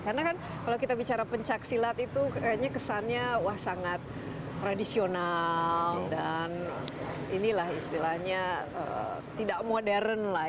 karena kan kalau kita bicara pencaksilat itu kayaknya kesannya wah sangat tradisional dan inilah istilahnya tidak modern lah